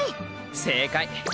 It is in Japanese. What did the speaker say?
正解！